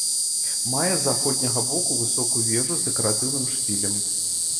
Мае з заходняга боку высокую вежу з дэкаратыўным шпілем.